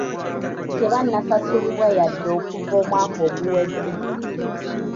Tebannasasulibwa yadde okuva omwaka oguwedde.